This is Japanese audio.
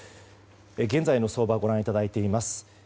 現在の相場ご覧いただいています。